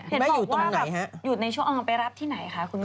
เห็นบอกว่าแบบอยู่ในช่วงไปรับที่ไหนคะคุณแม่